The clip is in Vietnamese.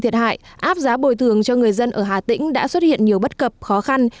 thiệt hại áp giá bồi thường cho người dân ở hà tĩnh đã xuất hiện nhiều bất cập khó khăn